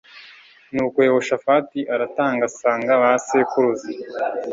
nuko yehoshafati aratanga asanga ba sekuruza